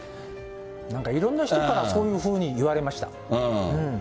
なんかいろんな人からそういうふうに言われました。